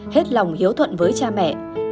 hết lòng hiếu thuận với cha mẹ